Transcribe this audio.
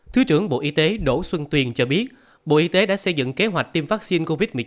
thứ trưởng bộ y tế đỗ xuân tuyên cho biết bộ y tế đã xây dựng kế hoạch tiêm vaccine covid một mươi chín